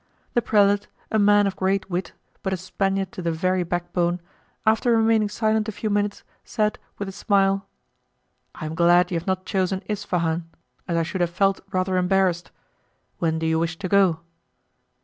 The prelate, a man of great wit, but a Spaniard to the very back bone, after remaining silent a few minutes, said, with a smile, "I am glad you have not chosen Ispahan, as I should have felt rather embarrassed. When do you wish to go?"